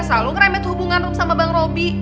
selalu ngerembet hubungan sama bang robi